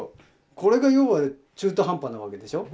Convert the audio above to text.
これが要は中途半端なわけでしょ？